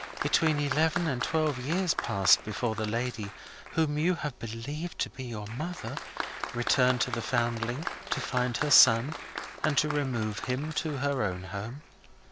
Between eleven and twelve years passed before the lady, whom you have believed to be your mother, returned to the Foundling, to find her son, and to remove him to her own home.